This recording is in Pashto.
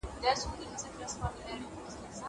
زه هره ورځ بوټونه پاکوم.